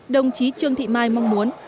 đồng chí trương thị mai mong muốn